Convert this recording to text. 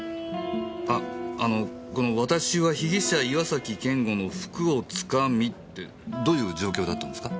ああのこの「私は被疑者岩崎健吾の服をつかみ」ってどういう状況だったんですか？